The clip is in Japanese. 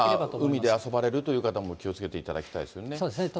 海で遊ばれるという方も気をつけていただきたいですよね。